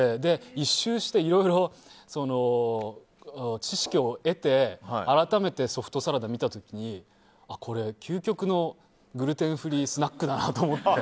１周して、いろいろと知識を得て改めてソフトサラダ見た時にこれ、究極のグルテンフリースナックだなと思って。